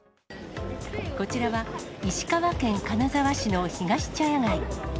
こちらは石川県金沢市のひがし茶屋街。